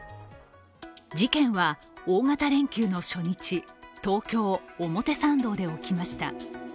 事件は大型連休の初日、東京・表参道で起きました。